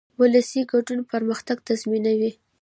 ولسي ګډون پرمختګ تضمینوي.